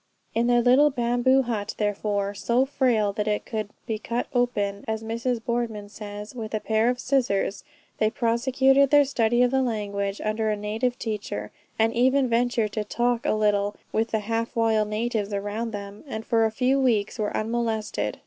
In their little bamboo hut, therefore, so frail that it could be cut open, as Mrs. Boardman says, with a pair of scissors, they prosecuted their study of the language under a native teacher, and even ventured to talk a little with the half wild natives around them, and for a few weeks were unmolested.